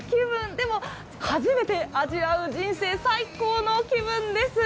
でも、初めて味わう人生最高の気分です。